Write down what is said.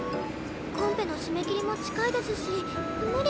コンペの締め切りも近いですし無理してるのでは？